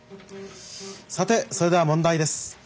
さてそれでは問題です。